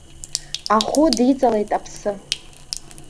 Ахәы диҵалеит аԥсы.